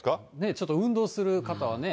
ちょっと運動する方はね。